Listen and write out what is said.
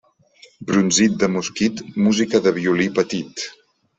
Brunzit de mosquit, música de violí petit.